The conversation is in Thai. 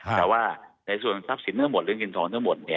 แต่ว่าในส่วนทรัพย์สินทั้งหมดหรือเงินทองทั้งหมด